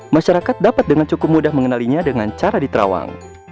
masyarakat dapat dengan cukup mudah mengenalinya dengan cara diterawang